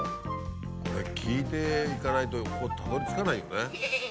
これ聞いて行かないとここたどり着かないよね。